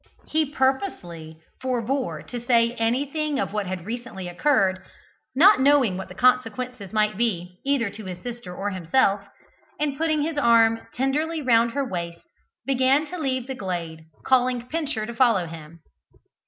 He purposely forebore to say anything of what had recently occurred, not knowing what the consequences might be, either to his sister or himself, and putting his arm tenderly round her waist, began to leave the glade, calling Pincher to follow him.